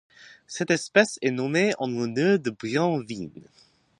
Cette espèce est nommée en l'honneur de Brian Vine.